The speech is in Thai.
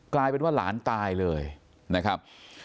กลายเป็นว่าหลานตายเลยนะครับ